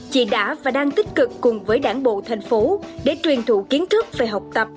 chị đã và đang tích cực cùng với đảng bộ thành phố để truyền thụ kiến thức về học tập